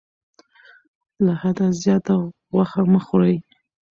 له حده زیاته غوښه مه خورئ.